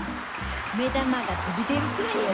目玉が飛び出るくらいやで！